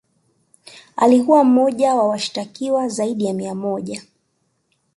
Alikuwa mmoja wa washitakiwa zaidi ya nia moja